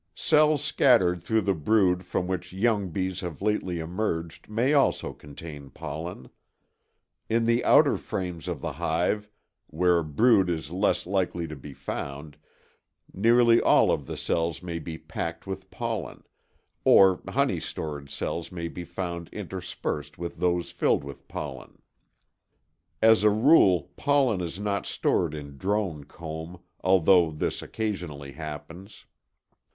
Cells scattered through the brood from which young bees have lately emerged may also contain pollen. In the outer frames of the hive, where brood is less likely to be found, nearly all of the cells may be packed with pollen, or honey storage cells may be found interspersed with those filled with pollen. As a rule pollen is not stored in drone comb, although this occasionally happens.